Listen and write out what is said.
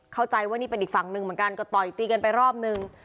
เข้าใจว่านี่เป็นอีกฝั่งหนึ่งเหมือนกันก็ต่อยตีกันไปรอบนึง